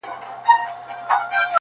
خو هيله زما هر وخت په نفرت له مينې ژاړي,